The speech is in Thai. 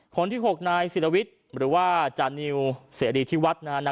คนที่๖นายศิลวิทย์หรือว่าจานิวเสรีที่วัดนะฮะ